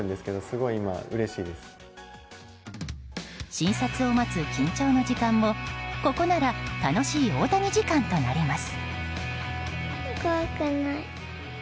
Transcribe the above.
診察を待つ緊張の時間もここなら楽しい大谷時間となります。